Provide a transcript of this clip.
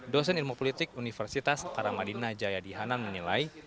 dosen ilmu politik universitas karamadina jayadihanan menilai